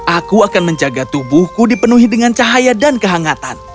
aku akan menjaga tubuhku dipenuhi dengan cahaya dan kehangatan